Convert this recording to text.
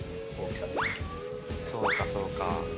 そうかそうか。